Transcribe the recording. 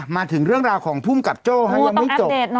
มาถึงเรื่องราวของภูมิกับโจ้ยังไม่จบ